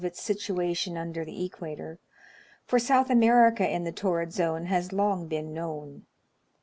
its situation under the equator, for South America in the torrid zone has long been known.